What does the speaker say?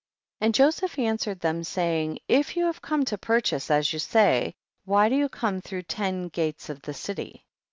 22. And Joseph answered them, saying, if you have come to purchase as you say, why do you come through ten gates of the city